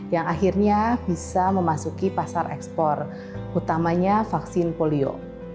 yang akhirnya bisa memasuki pasar ekspor utamanya vaksin polio